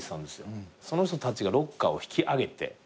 その人たちがロッカーを引き揚げて。